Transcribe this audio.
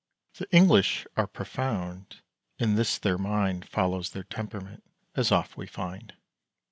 The English are profound: in this their mind Follows their temperament, as oft we find.